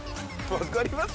分かります？